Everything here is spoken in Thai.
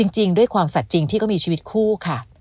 จริงด้วยความสัตว์จริงที่ก็มีชีวิตคู่ค่ะ